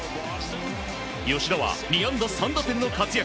吉田は２安打３打点の活躍。